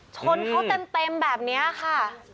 ชนเขาเต็มแบบนี้ค่ะ